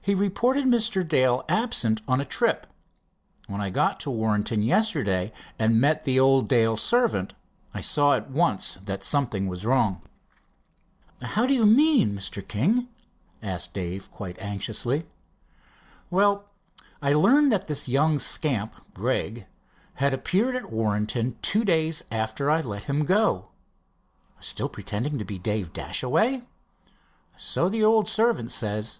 He reported Mr. Dale was absent on a trip. When I got to Warrenton yesterday and met the old Dale servant, I saw at once that something was wrong." "How do you mean, Mr. King?" asked Dave quite anxiously. "Well, I learned that this young scamp, Gregg, had appeared at Warrenton two days after I let him go." "Still pretending to be Dave Dashaway?" "So the old servant says.